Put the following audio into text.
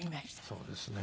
そうですね。